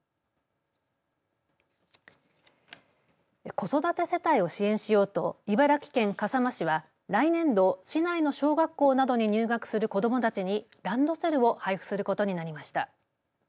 子育て世帯を支援しようと茨城県笠間市は来年度市内の小学校などに入学する子どもたちにランドセルを配付することになりました。